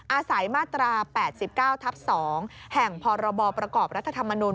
อาศัยมาตรา๘๙ทับ๒แห่งพรบประกอบรัฐธรรมนุน